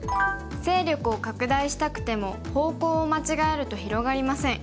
勢力を拡大したくても方向を間違えると広がりません。